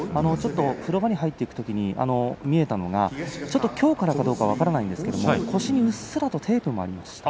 風呂場に入っていくときに見えたのが、きょうからかどうかは分からないんですが腰にうっすらとテープがありました。